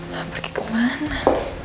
ma pergi kemana